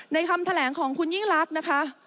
คำแถลงของคุณยิ่งลักษณ์นะคะ